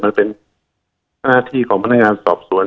มันเป็นหน้าที่ของพนักงานสอบสวน